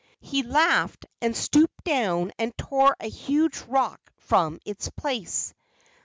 He laughed, and stooped down and tore a huge rock from its place.